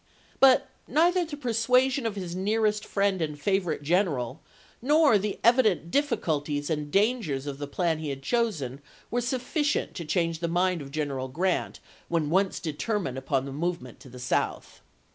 1 But neither the persuasion of his nearest friend and favorite general, nor the evident difficulties and dangers of the plan he had chosen, were suffi cient to change the mind of General Grant when once determined upon the movement to the south.